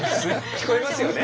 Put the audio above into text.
聞こえますよね。